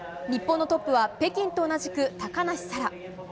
日本のトップは北京と同じく高梨沙羅。